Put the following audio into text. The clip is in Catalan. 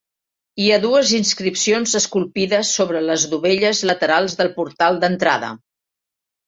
Hi ha dues inscripcions esculpides sobre les dovelles laterals del portal d'entrada.